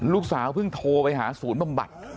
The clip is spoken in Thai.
ลูกสาวเพิ่งโทรไปหาศูนย์บำบัด